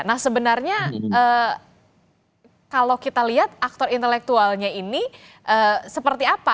nah sebenarnya kalau kita lihat aktor intelektualnya ini seperti apa